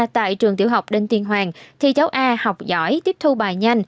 tại trường tiểu học đinh tiên hoàng thì cháu a học giỏi tiếp thu bài nhanh